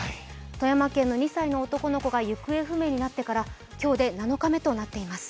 富山県の２歳の男の子が行方不明になってから今日で７日目となっています。